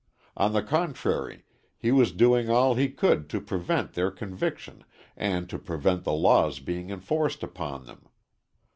On the contrary, he was doing all he could to prevent their conviction and to prevent the laws being enforced upon them.